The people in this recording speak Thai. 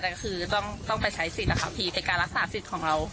แต่คือต้องไปใช้สิทธิ์นะคะพี่เป็นการรักษาสิทธิ์ของเรา